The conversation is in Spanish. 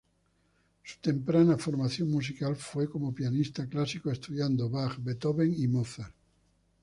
Su temprana formación musical fue como pianista clásico estudiando Bach, Beethoven y Mozart.